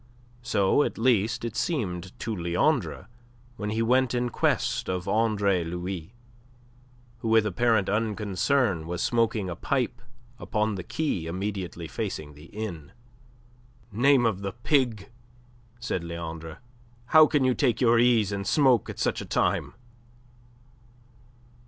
So, at least, it seemed to Leandre when he went in quest of Andre Louis, who with apparent unconcern was smoking a pipe upon the quay immediately facing the inn. "Name of a pig!" said Leandre. "How can you take your ease and smoke at such a time?"